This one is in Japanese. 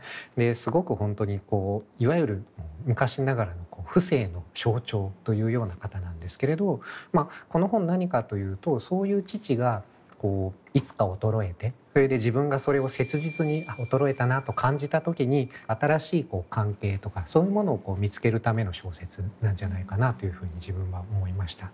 すごく本当にいわゆる昔ながらの父性の象徴というような方なんですけれどこの本何かと言うとそういう父がいつか衰えてそれで自分がそれを切実に衰えたなと感じた時に新しい関係とかそういうものを見つけるための小説なんじゃないかなというふうに自分は思いました。